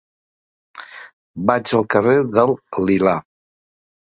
Vaig al carrer del Lilà.